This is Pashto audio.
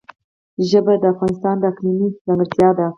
ژبې د افغانستان د اقلیم ځانګړتیا ده.